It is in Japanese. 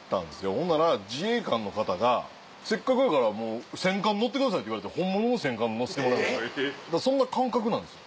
ほんなら自衛官の方が「せっかくやから戦艦乗ってください」って言われて本物の戦艦乗せてもらいましたそんな感覚なんですよ。